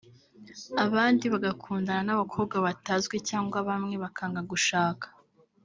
abandi bagakundana n’abakobwa batazwi cyangwa bamwe bakanga gushaka